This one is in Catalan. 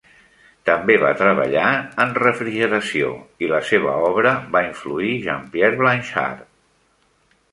També va treballar en refrigeració, i la seva obra va influir Jean-Pierre Blanchard.